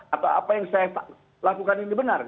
atau apa yang saya lakukan ini benar